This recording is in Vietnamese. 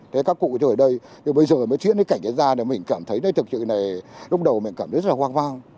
thế các cụ ở đây bây giờ mới chuyển cái cảnh ra mình cảm thấy thực sự này lúc đầu mình cảm thấy rất là hoang hoang